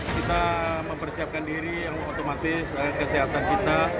kita mempersiapkan diri yang otomatis kesehatan kita